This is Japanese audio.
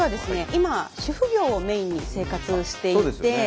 今主婦業をメインに生活していて。